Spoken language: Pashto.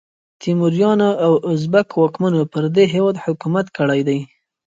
تیموریانو او ازبک واکمنو پر دې هیواد حکومت کړی دی.